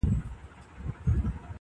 اوبولې یې ریشتیا د زړونو مراندي-